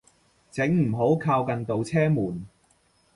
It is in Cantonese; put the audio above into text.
請唔好靠近度車門